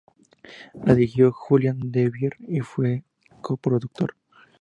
La dirigió Julien Duvivier y fue su coproductor.